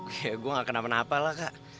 kayak gue gak kenapa napa lah kak